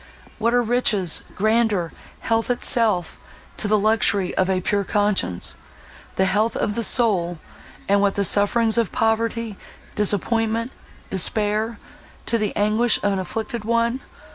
What are riches—grandeur—health itself, to the luxury of a pure conscience, the health of the soul;—and what the sufferings of poverty, disappointment, despair—to the anguish of an afflicted one!